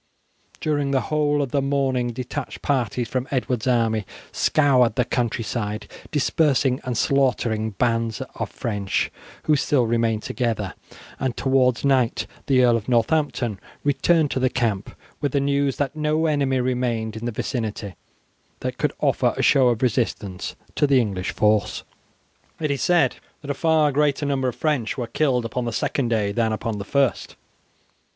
During the whole of the morning detached parties from Edward's army scoured the country, dispersing and slaughtering bands of French who still remained together, and towards night the Earl of Northampton returned to the camp with the news that no enemy remained in the vicinity that could offer a show of resistance to the English force. It is said that a far greater number of French were killed upon the second day than upon the first.